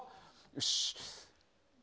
よし。